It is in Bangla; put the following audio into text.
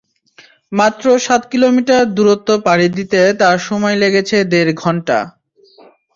মাত্র সাত কিলোমিটার দূরত্ব পাড়ি দিতে তাঁর সময় লেগেছে দেড় ঘণ্টা।